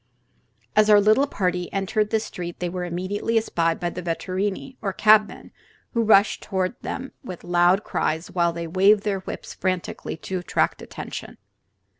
As our little party entered this street they were immediately espied by the vetturini, or cabmen, who rushed toward them with loud cries while they waved their whips frantically to attract attention.